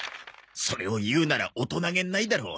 それを言うなら「大人げない」だろ。